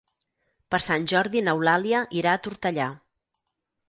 Per Sant Jordi n'Eulàlia irà a Tortellà.